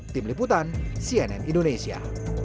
tim liputan cnn indonesia